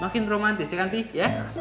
makin romantis ya kan ti ya